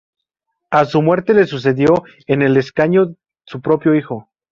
A su muerte le sucedió en el escaño su propio hijo.